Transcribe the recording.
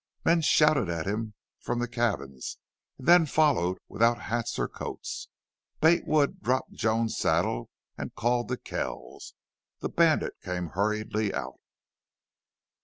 Men shouted at him from the cabins and then followed without hats or coats. Bate Wood dropped Joan's saddle and called to Kells. The bandit came hurriedly out.